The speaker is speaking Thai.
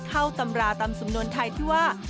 ตำราตามสำนวนไทยที่ว่า